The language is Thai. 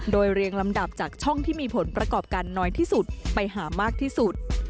โดยเรียงลำดับจากช่องที่มีผลประกอบกันน้อยที่สุดไปหามากที่สุด